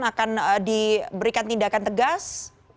akan diberikan tindakan tegas